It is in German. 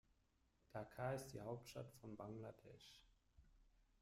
Dhaka ist die Hauptstadt von Bangladesch.